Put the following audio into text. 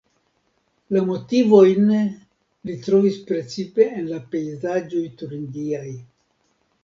La motivojn li trovis precipe en la pejzaĝoj turingiaj.